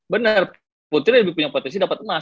benar putri lebih punya potensi dapat emas